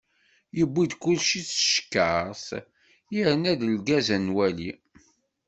Yewwi-d kulci s tcekkart, yerna-d lgaz ad nwali.